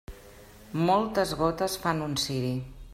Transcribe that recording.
Moltes gotes fan un ciri.